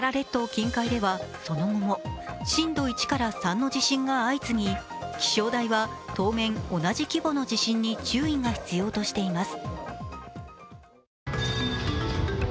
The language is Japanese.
近海では、その後も震度１から３の地震が相次ぎ、気象台は当面、同じ規模の地震に注意が必要としています。